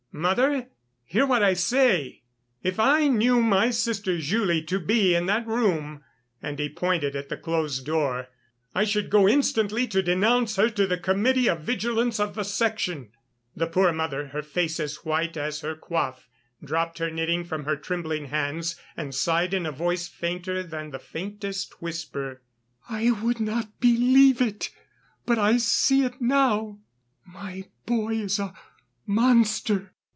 "Mother, hear what I say; if I knew my sister Julie to be in that room ..." (and he pointed at the closed door), "I should go instantly to denounce her to the Committee of Vigilance of the Section." The poor mother, her face as white as her coif, dropped her knitting from her trembling hands and sighed in a voice fainter than the faintest whisper: "I would not believe it, but I see it now; my boy is a monster...."